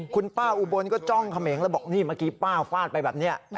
คุณป้าอุบลก็จ้องเขมงแล้วบอกนี่เมื่อกี้ป้าฟาดไปแบบนี้